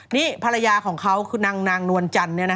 นี่ภรรยาของเขาคือนางนวลจันทร์